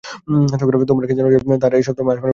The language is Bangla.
তোমরা কি জান যে, তার ও সপ্তম আসমানের মধ্যে দূরত্ব কতটুকু?